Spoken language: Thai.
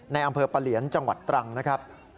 ในอำเภอปะเหลียนจังหวัดตรังนะครับ